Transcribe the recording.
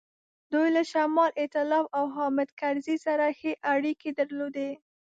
دوی له شمال ایتلاف او حامد کرزي سره ښې اړیکې درلودې.